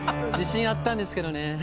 自信あったんですけどね。